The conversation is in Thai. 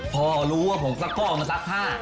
พอรู้ว่าผมซักก้อมาซักผ้า